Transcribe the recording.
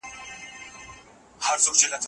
ایمي د شاور لاندې بې حاله کېده.